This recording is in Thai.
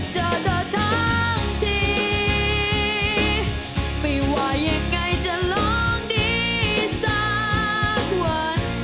ช่วงดีสักวัน